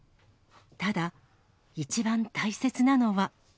ただ、一番大切なのは。